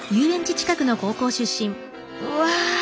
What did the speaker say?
うわ！